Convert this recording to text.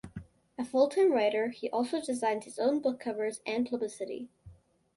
A full-time writer, he also designed his own book covers and publicity.